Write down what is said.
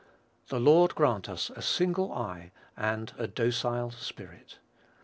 The Lord grant us a single eye and a docile spirit.